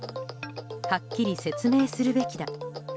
はっきり説明するべきだ。